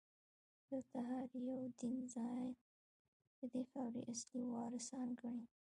دلته هر یو دین ځان ددې خاورې اصلي وارثان ګڼي.